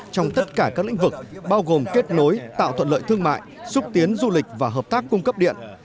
trong tất cả các lĩnh vực bao gồm kết nối tạo thuận lợi thương mại xúc tiến du lịch và hợp tác cung cấp điện